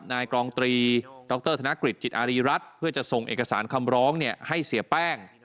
นายกรองตรีดรธนกฤษจิตอารีรัฐเพื่อจะส่งเอกสารคำร้องให้เสียแป้ง